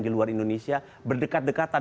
di luar indonesia berdekat dekatan